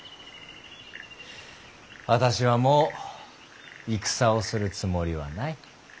私はもう戦をするつもりはない。